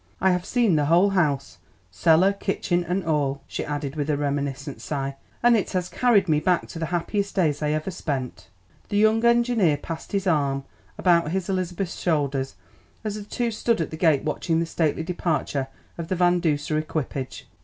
"I have seen the whole house, cellar, kitchen and all," she added with a reminiscent sigh, "and it has carried me back to the happiest days I ever spent." The young engineer passed his arm about his Elizabeth's shoulders as the two stood at the gate watching the stately departure of the Van Duser equipage.